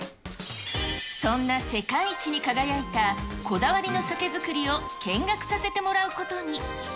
そんな世界一に輝いたこだわりの酒造りを見学させてもらうことに。